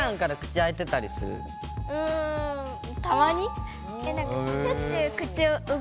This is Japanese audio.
うんたまに？